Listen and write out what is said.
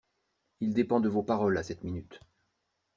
Il dépend de vos paroles, à cette minute!